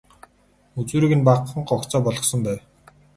Үзүүрийг нь багахан гогцоо болгосон байв.